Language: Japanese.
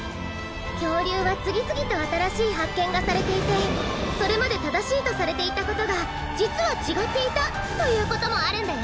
きょうりゅうはつぎつぎとあたらしいはっけんがされていてそれまでただしいとされていたことがじつはちがっていたということもあるんだよ！